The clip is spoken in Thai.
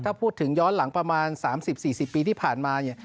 ถ้าพูดถึงย้อนหลังประมาณ๓๐๔๐ปีที่ผ่านมาเนี่ย